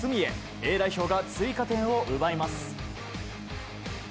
Ａ代表が追加点を奪います。